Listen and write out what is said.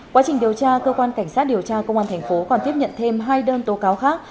quá trình điều tra cơ quan cảnh sát điều tra công an thành phố còn tiếp nhận thêm hai đơn tố cáo khác